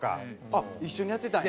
あっ一緒にやってたんや。